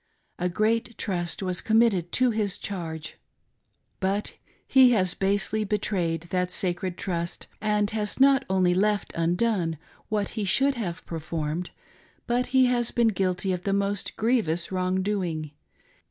A great trust was committed to his charge. But he has basely betrayed that sacred trust, and has not only left undone what he should have performed, but he has been guilty of the most grievous wrong doing.